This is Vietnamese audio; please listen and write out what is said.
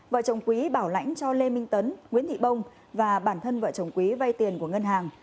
vợ chồng quý bảo lãnh cho lê minh tấn nguyễn thị bông và bản thân vợ chồng quý vay tiền của ngân hàng